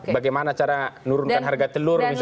bagaimana cara menurunkan harga telur misalnya